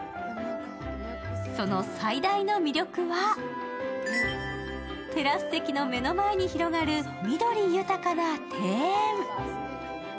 その最大の魅力はテラス席の目の前に広がる緑豊かな庭園。